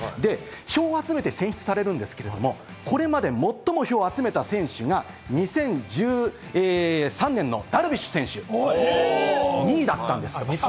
票を集めて選出されるんですけど、これまで最も票を集めた選手が２０１３年のダルビッシュ選手、２位だったんです。